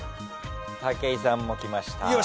武井さんもきました。